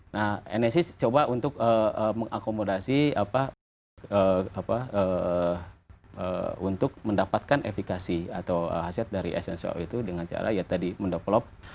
nah nsis coba untuk mengakomodasi apa apa untuk mendapatkan efekasi atau hasil dari essential oil itu dengan cara ya tadi mendevelop